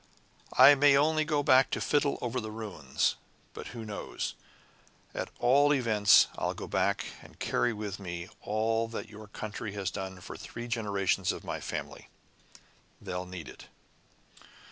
"I may only go back to fiddle over the ruins. But who knows? At all events, I'll go back and carry with me all that your country had done for three generations of my family. They'll need it."